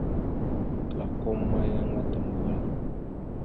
Klakom ma yan matam gwala.